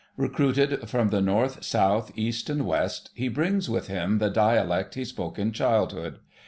Recruited from the North, South, East, and West, he brings with him the dialect he spoke in childhood.